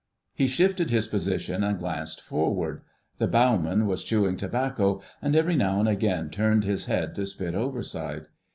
He shifted his position and glanced forward. The bowman was chewing tobacco, and every now and again turned his head to spit overside.